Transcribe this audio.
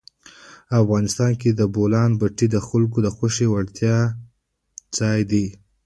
افغانستان کې د بولان پټي د خلکو د خوښې وړ ځای دی.